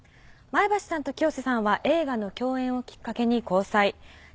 前橋さんと清瀬さんは映画の共演をきっかけに交際。